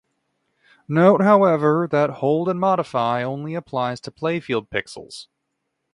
Note, however, that Hold-and-Modify only applies to playfield pixels.